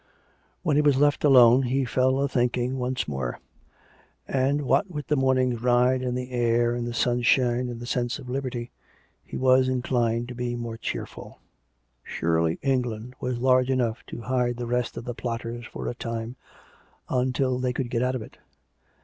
When he was left alone, he fell a thinking once more; and, what with the morning's ride and the air and the sun shine, and the sense of liberty, he was inclined to be more cheerful. Surely England was large enough to hide the rest of the plotters for a time, until they could get out of it.